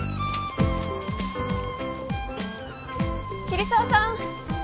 桐沢さん！